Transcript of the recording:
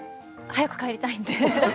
早く帰りたいんです。